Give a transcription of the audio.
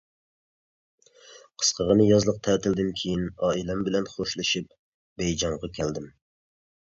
قىسقىغىنە يازلىق تەتىلدىن كېيىن ئائىلەم بىلەن خوشلىشىپ بېيجىڭغا كەلدىم.